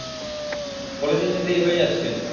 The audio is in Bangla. কলেজে যেতে দেরি হয়ে যাচ্ছে।